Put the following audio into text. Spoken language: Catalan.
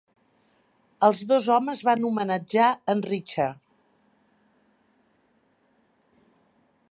Els dos homes van homenatjar en Richard.